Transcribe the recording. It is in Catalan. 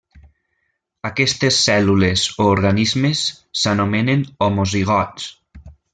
Aquestes cèl·lules o organismes s'anomenen homozigots.